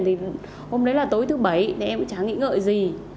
thì hôm đấy là tối thứ bảy em chá nghĩ ngợi gì